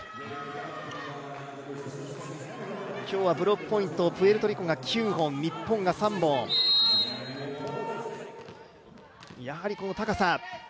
今日はブロックポイント、プエルトリコが９本日本が３本、やはりこの高さ。